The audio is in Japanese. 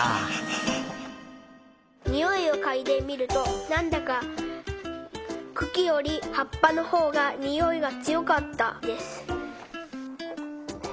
「においをかいでみるとなんだかくきよりはっぱのほうがにおいがつよかったです」。